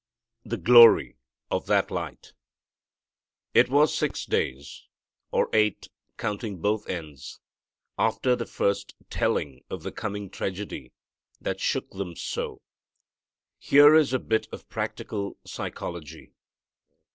"The Glory of that Light." It was six days, or eight counting both ends, after the first telling of the coming tragedy that shook them so. Here is a bit of practical psychology.